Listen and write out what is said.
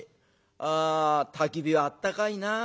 「あたき火はあったかいな」。